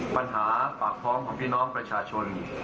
ปัญหาปากท้องของพี่น้องประชาชน